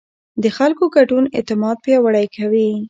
د خلکو ګډون اعتماد پیاوړی کوي